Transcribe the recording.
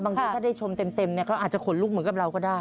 ที่ถ้าได้ชมเต็มเนี่ยเขาอาจจะขนลุกเหมือนกับเราก็ได้